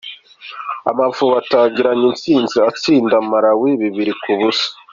Amavubi atangiranye intsinzi atsinda Malawi bibiri kubusa